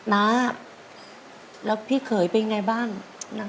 น้าแล้วพี่เขยเป็นไงบ้าง